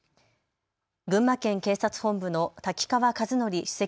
群馬県警察本部の瀧川和典首席